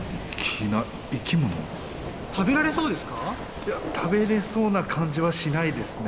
いや食べれそうな感じはしないですね。